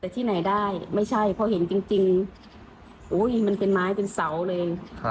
แต่ที่ไหนได้ไม่ใช่เพราะเห็นจริงอุ้ยมันเป็นไม้เป็นเสาเลย